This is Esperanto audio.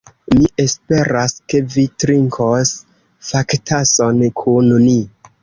Mi esperas, ke vi trinkos kaftason kun ni.